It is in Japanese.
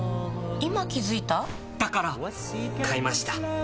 今気付いた？だから！買いました。